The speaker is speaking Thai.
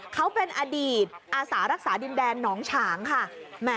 เขาเป็นอดีตอาสารักษาดินแดนหนองฉางค่ะ